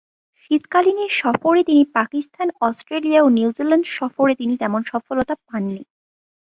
শীতকালীন এ সফরে তিনি পাকিস্তান, অস্ট্রেলিয়া ও নিউজিল্যান্ড সফরে তিনি তেমন সফলতা পাননি।